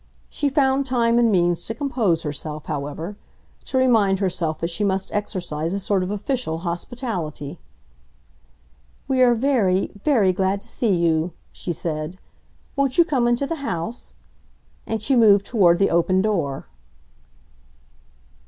She found time and means to compose herself, however: to remind herself that she must exercise a sort of official hospitality. "We are very—very glad to see you," she said. "Won't you come into the house?" And she moved toward the open door.